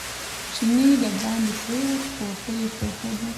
چینی دباندې پرېوت کوټه یې پرېښوده.